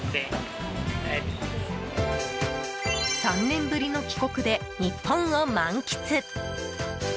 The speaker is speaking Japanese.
３年ぶりの帰国で日本を満喫。